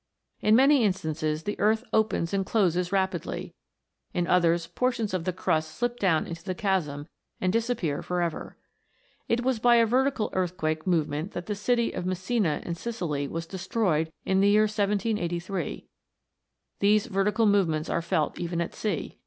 In many instances, the earth opens and closes rapidly; in others, portions of the crust slip down into the chasm, and disappear for ever. It was by a vertical earthquake move ment that the city of Messina, in Sicily, was des troyed in the year 1783. These vertical movements are felt even at sea.